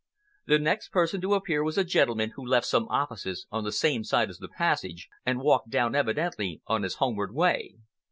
The next person to appear was a gentleman who left some offices on the same side as the passage, and walked down evidently on his homeward way.